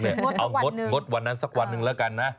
ลดวันนั้นสักวันหนึ่งละกันนะ